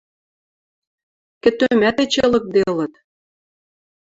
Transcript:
Кӹтӧмӓт эче лыкделыт.